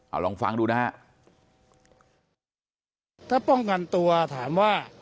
เอาลองฟังดูนะฮะถ้าป้องกันตัวถามว่า